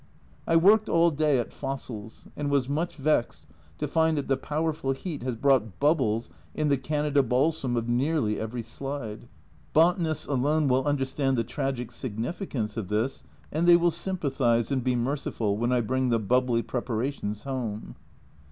I worked all day at fossils, and was much vexed to find that the powerful heat has brought bubbles in the Canada Balsam of nearly every slide ! Botanists alone will understand the tragic significance of this, and they will sympathise and be merciful when I bring the bubbly preparations home